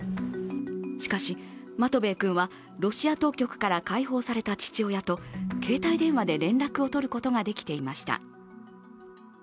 しかし、マトベイ君はロシア当局から解放された父親と携帯電話で連絡を取ることができていました。